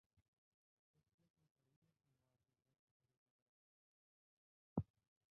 एक क्लिक में पढ़िए सोमवार दिनभर की सभी खबरें